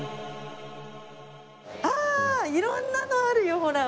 ああ色んなのあるよほら。